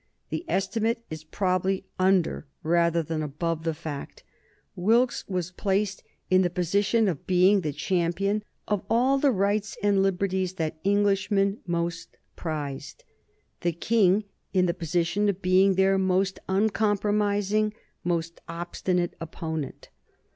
The estimate is probably under rather than above the fact. Wilkes was placed in the position of being the champion of all the rights and liberties that Englishmen most prized; the King in the position of being their most uncompromising, most obstinate opponent.